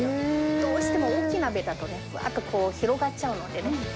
どうしても大きい鍋だと、うわーとこう、広がっちゃうのでね。